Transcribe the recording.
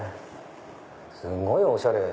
すごいおしゃれ！